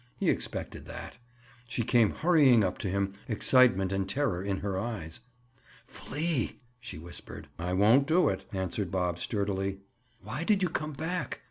He expected that. She came hurrying up to him, excitement and terror in her eyes. "Flee!" she whispered. "I won't do it," answered Bob sturdily. "Why did you come back?"